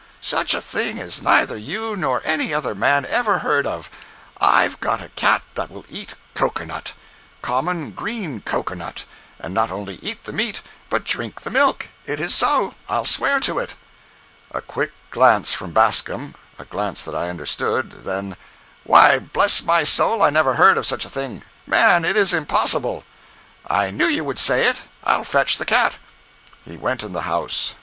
Such a thing as neither you nor any other man ever heard of—I've got a cat that will eat cocoanut! Common green cocoanut—and not only eat the meat, but drink the milk. It is so—I'll swear to it." A quick glance from Bascom—a glance that I understood—then: "Why, bless my soul, I never heard of such a thing. Man, it is impossible." "I knew you would say it. I'll fetch the cat." He went in the house.